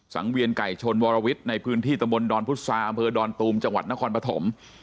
เวียนไก่ชนวรวิทย์ในพื้นที่ตำบลดอนพุษาอำเภอดอนตูมจังหวัดนครปฐม